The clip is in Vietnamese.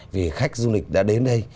vì khách du lịch đã đến đây